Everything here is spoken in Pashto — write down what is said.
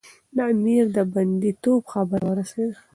د امیر د بندي توب خبره ورسېده.